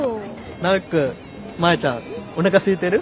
ナオキ君マヤちゃんおなかすいてる？